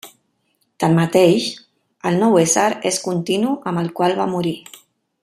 Tanmateix, el nou ésser és continu amb el qual va morir.